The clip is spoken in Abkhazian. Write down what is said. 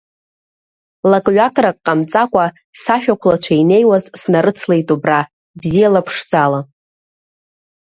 Лак-ҩакрак ҟамҵакәа, Сашәақәлацәа инеиуаз Снарыцлеит убра, Бзиала-ԥшӡала…